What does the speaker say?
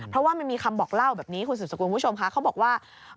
เพราะว่ามันมีคำบอกเล่าแบบนี้คุณสุดสกุลคุณผู้ชมค่ะเขาบอกว่า